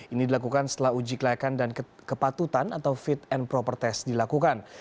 ini dilakukan setelah uji kelayakan dan kepatutan atau fit and proper test dilakukan